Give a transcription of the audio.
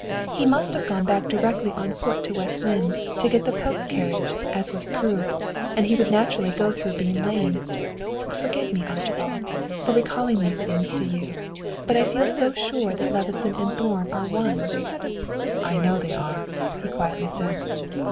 He must have gone back directly on foot to West Lynne, to get the post carriage, as was proved, and he would naturally go through Bean lane. Forgive me, Archibald, for recalling these things to you, but I feel so sure that Levison and Thorn are one." "I know they are," he quietly said.